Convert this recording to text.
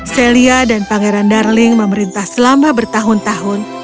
celia dan pangeran darling memerintah selama bertahun tahun